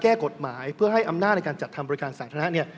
แก้กฎหมายเพื่อให้อำนาจในการจัดทำบริการสาธารณะเนี่ย